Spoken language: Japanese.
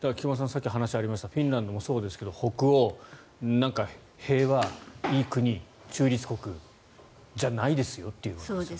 さっき話にありましたフィンランドもそうですが北欧、なんか平和、いい国中立国じゃないですよという。